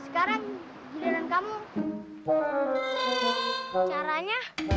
kasih kuku pasang tuhan